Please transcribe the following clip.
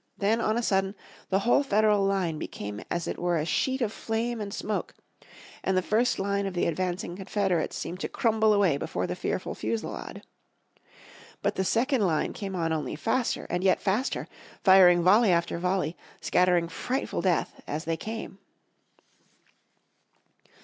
Then on a sudden the whole Federal line became as it were a sheet of flame and smoke, and the first line of the advancing Confederates seemed to crumble away before the fearful fusilade. But the second line came on only faster and yet faster, firing volley after volley, scattering frightful death as they came.